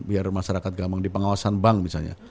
biar masyarakat gampang di pengawasan bank misalnya